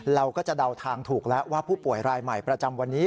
เราก็จะเดาทางถูกแล้วว่าผู้ป่วยรายใหม่ประจำวันนี้